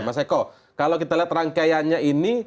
mas eko kalau kita lihat rangkaiannya ini